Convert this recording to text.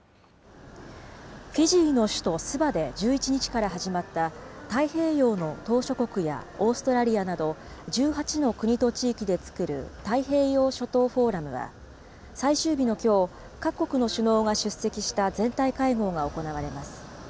フィジーの首都スバで１１日から始まった、太平洋の島しょ国やオーストラリアなど１８の国と地域で作る太平洋諸島フォーラムは最終日のきょう、各国の首脳が出席した全体会合が行われます。